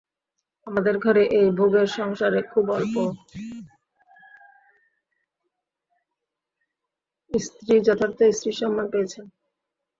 আমাদের ঘরে এই ভোগের সংসারে খুব অল্প স্ত্রীই যথার্থ স্ত্রীর সম্মান পেয়েছেন।